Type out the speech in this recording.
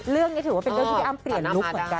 เรื่องนี้ถือว่าเป็นเรื่องที่เปรีย่นลุคเหมือนกันน่ะอ้อ